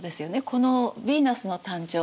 この「ヴィーナスの誕生」